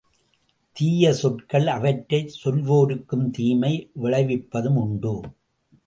தீய சொற்கள் அவற்றைச் சொல்வோருக்குத் தீமை விளைவிப்பதும் உண்டு.